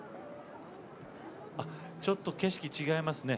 ちょっと景色違いますね。